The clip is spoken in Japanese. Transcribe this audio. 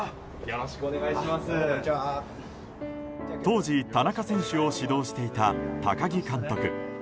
当時、田中選手を指導していた高木監督。